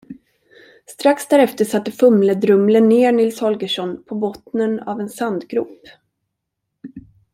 Strax därefter satte Fumle-Drumle ner Nils Holgersson på bottnen av en sandgrop.